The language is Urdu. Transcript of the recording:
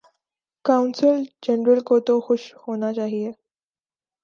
قونصل جنرل کو تو خوش ہونا چاہیے۔